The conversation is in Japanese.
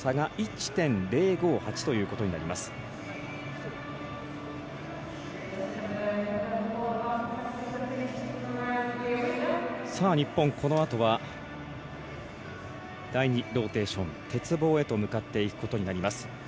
このあとは第２ローテーション鉄棒へと向かっていくことになります。